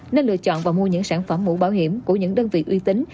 nên lựa chọn và mua những sản phẩm mũ bảo hiểm của những đơn vị uy tín